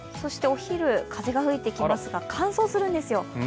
お昼、風が吹いてきますが乾燥するんですよ。